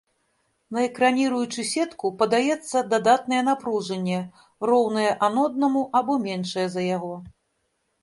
На экраніруючую сетку падаецца дадатнае напружанне, роўнае аноднаму або меншае за яго.